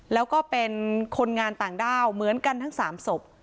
แล้วก็เป็นคนงานต่างด้าวเหมือนกันทั้ง๓ศพ